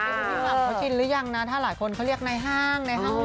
พี่หมำเค้าชินหรือยังนะถ้าหลายคนเค้าเรียกในห้าง